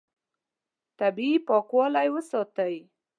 طبیعي پاکوالی وساتئ.